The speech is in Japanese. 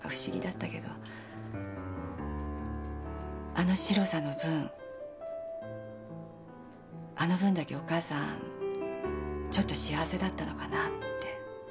あの白さの分あの分だけお母さんちょっと幸せだったのかなって。